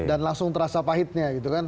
dan langsung terasa pahitnya gitu kan